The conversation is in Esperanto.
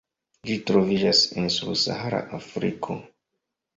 Ĝi troviĝas en subsahara Afriko.